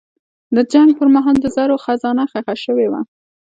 د جنګ پر مهال د زرو خزانه ښخه شوې وه.